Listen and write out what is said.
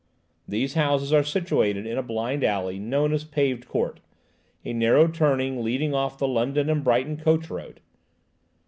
These houses are situated in a blind alley, known as Paved Court, a narrow turning leading off the London and Brighton coach road.